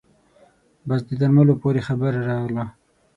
بس د درملو پورې خبره راغله.